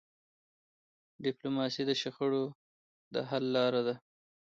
ډيپلوماسي د شخړو حل لاره ده.